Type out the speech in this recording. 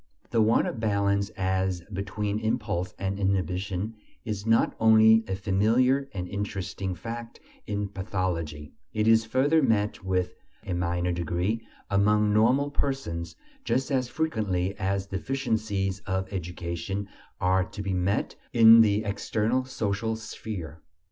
The want of balance as between impulse and inhibition is not only a familiar and interesting fact in pathology; it is further met with, though in a minor degree, among normal persons, just as frequently as deficiencies of education are to be met with in the external social sphere.